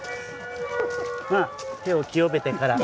まあ手を清めてから。